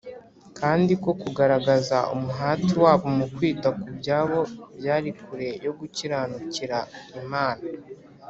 kandi ko kugaragaza umuhati wabo mu kwita kubyabo byari kure yo gukiranukira Imana